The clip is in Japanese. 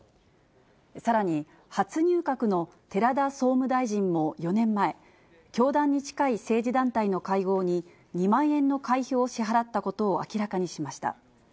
さらに、初入閣の寺田総務大臣も４年前、教団に近い政治団体の会合に、２万円の会費を支払ったことを明らかにしました。